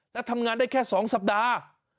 และทำงานได้แค่๒สัปดาห์